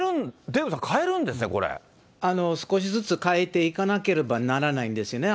デーブさん、これ変えるんですね、少しずつ変えていかなければならないんですよね。